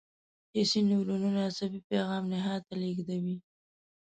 حسي نیورون عصبي پیغام نخاع ته لېږدوي.